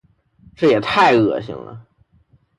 这也太恶心了。